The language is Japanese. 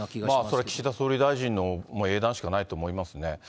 それは岸田総理大臣のもう英断しかないと思いますね。